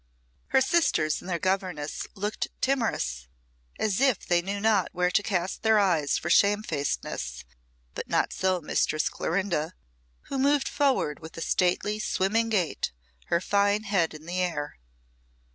Her sisters and their governess looked timorous, and as if they knew not where to cast their eyes for shamefacedness; but not so Mistress Clorinda, who moved forward with a stately, swimming gait, her fine head in the air.